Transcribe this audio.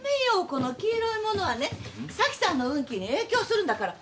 この黄色いものはね早紀さんの運気に影響するんだから。